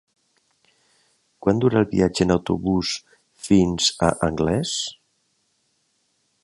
Quant dura el viatge en autobús fins a Anglès?